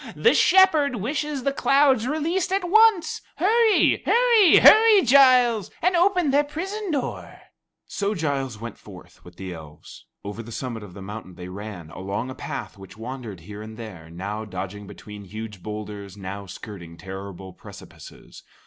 The Shepherd wishes the clouds released at once. Hurry, hurry, hurry, Giles, and open their prison door." So Giles went forth with the elves. Over the summit of the mountain they ran, along a path which wandered here and there now dodging between huge boulders, now skirting terrible precipices.